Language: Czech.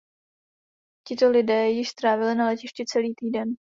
Tito lidé již strávili na letišti celý týden.